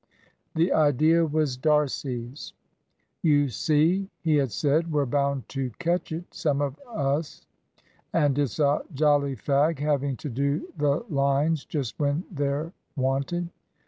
The idea was D'Arcy's. "You see," he had said, "we're bound to catch it, some of as, and it's a jolly fag having to do the lines just when they're wanted.